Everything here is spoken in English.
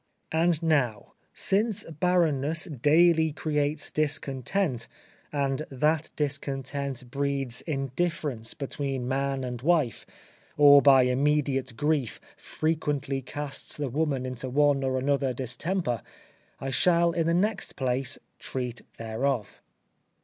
And now, since barrenness daily creates discontent, and that discontent breeds indifference between man and wife, or, by immediate grief, frequently casts the woman into one or another distemper, I shall in the next place treat thereof.